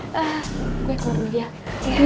gue kelar dulu dia